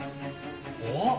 あっ！